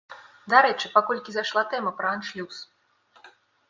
Дарэчы, паколькі зайшла тэма пра аншлюс.